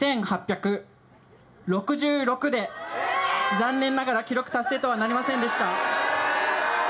残念ながら記録達成とはなりませんでした。